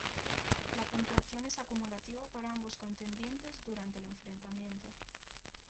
La puntuación es acumulativa para ambos contendientes durante el enfrentamiento.